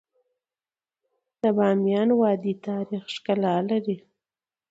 د بامیان وادی تاریخي ښکلا لري.